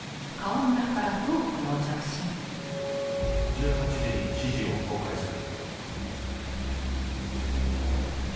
「１８時に記事を公開する」。